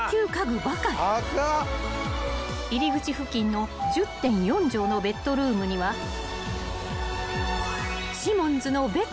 ［入り口付近の１０．４畳のベッドルームにはシモンズのベッドも完備］